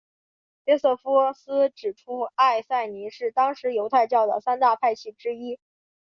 约瑟夫斯指出艾赛尼是当时犹太教的三大派系之一。